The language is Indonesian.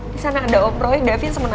di sana ada oprohnya davi yang semenagif